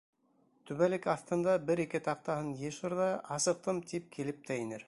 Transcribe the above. Түбәлек аҫтында бер-ике таҡтаһын йышыр ҙа, асыҡтым, тип килеп тә инер.